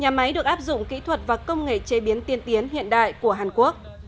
nhà máy được áp dụng kỹ thuật và công nghệ chế biến tiên tiến hiện đại của hàn quốc